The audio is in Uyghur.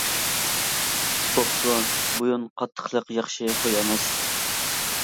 بوپتۇ بويۇن قاتتىقلىق ياخشى خۇي ئەمەس.